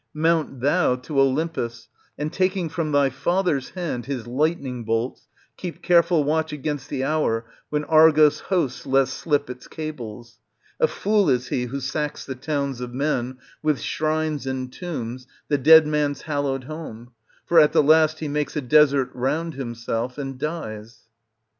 Mount thou to Olympus, and taking from thy father's hand his lightning bolts, keep careful watch against the hour when Argos' host lets slip its cables. A fool is he who sacks the towns of men, with shrines and tombs, the dead man's hallowed home, for at the last he makes a desert round himself, and dies.